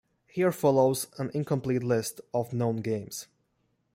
Here follows an incomplete list of known games.